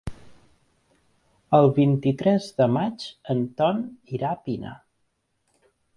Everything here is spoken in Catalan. El vint-i-tres de maig en Ton irà a Pina.